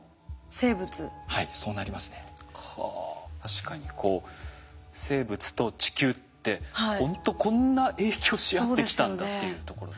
確かにこう生物と地球ってほんとこんな影響し合ってきたんだっていうところ。